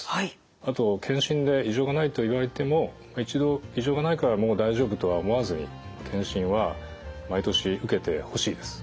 あと検診で異常がないと言われても一度異常がないからもう大丈夫とは思わずに検診は毎年受けてほしいです。